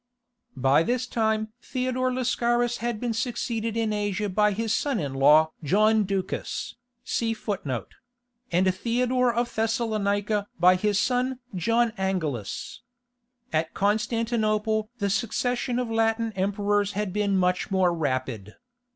By this time Theodore Lascaris had been succeeded in Asia by his son in law John Ducas,(31) and Theodore of Thessalonica by his son John Angelus. At Constantinople the succession of Latin emperors had been much more rapid.